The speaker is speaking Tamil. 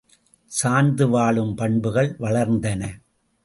சார்ந்து வாழும் பண்புகள் வளர்ந்தன.